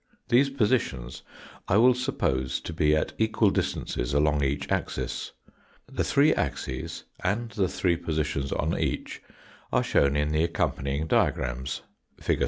These positions I will suppose to be at equal distances along each . 64. Fig. 65. axis. The three axes and the three positions on each are shown in the accompanying diagrams, fig.